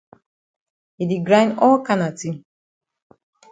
E di grind all kana tin.